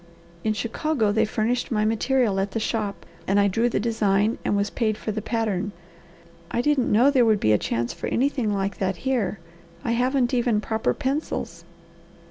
In Chicago they furnished my material at the shop and I drew the design and was paid for the pattern. I didn't know there would be a chance for anything like that here. I haven't even proper pencils."